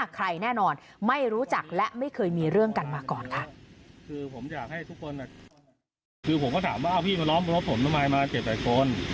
คือผมก็ถามว่าอ้าวพี่มาล้มรถผมทำไมมา๗๘คน